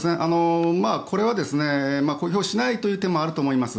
これは公表しないという手もあると思います。